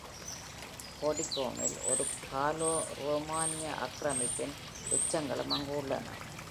பார்டிகோனில் ஒரு காலோ-ரோமானிய ஆக்கிரமிப்பின் எச்சங்களும் அங்கு உள்ளன.